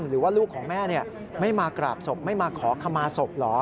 หรือว่าลูกของแม่ไม่มากราบศพไม่มาขอขมาศพเหรอ